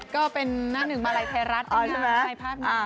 ก็เป็นน่าหนึ่งมาลัยไทรัสใช่ไหม